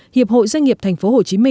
hiệp hội doanh nghiệp tp hcm